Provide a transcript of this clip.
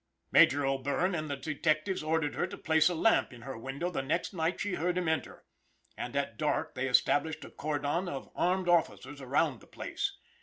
Major O'Bierne and the detectives ordered her to place a lamp in her window the next night she heard him enter, and at dark they established a cordon of armed officers around the place.